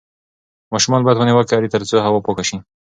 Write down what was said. ماشومان باید ونې وکرې ترڅو هوا پاکه شي.